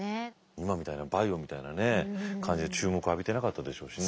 今みたいなバイオみたいな感じで注目浴びてなかったでしょうしね。